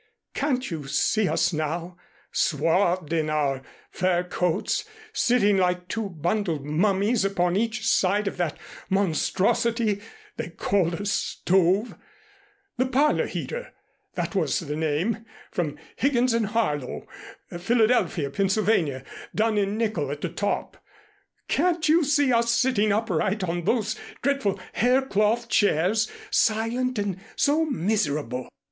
Can't you see us now, swathed in our fur coats, sitting like two bundled mummies upon each side of that monstrosity they called a stove, 'The Parlor Heater,' that was the name, from Higgins and Harlow, Phila., Pa., done in nickel at the top. Can't you see us sitting upright on those dreadful hair cloth chairs, silent and so miserable?